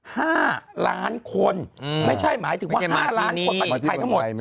ห้าล้านคนไม่ใช่หมายถึงว่าห้าล้านคนหมายถึงว่าใครทั้งหมด